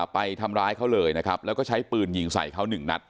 ไปทำร้ายเขาเลยนะครับแล้วก็ใช้ปืนยิงใส่เขาหนึ่งนัด